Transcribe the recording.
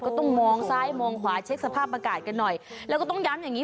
ก็ต้องมองซ้ายมองขวาเช็คสภาพอากาศกันหน่อยแล้วก็ต้องย้ำอย่างงี้